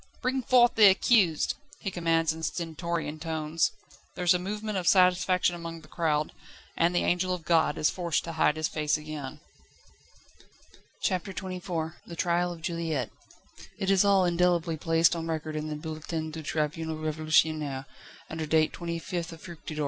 "Bring forth the accused!" he commands in stentorian tones. There is a movement of satisfaction among the crowd, and the angel of God is forced to hide his face again. CHAPTER XXIV The trial of Juliette. It is all indelibly placed on record in the "Bulletin du Tribunal Révolutionnaire," under date 25th Fructidor, year I.